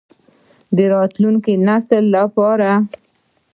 د راتلونکي نسل لپاره.